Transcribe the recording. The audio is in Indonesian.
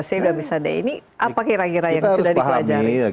ini apa kira kira yang sudah dipelajari